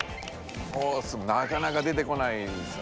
「コース」もなかなか出てこないですよね。